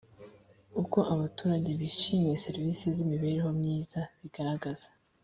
uko abaturage bishimiye serivisi z imibereho myiza bigaragaza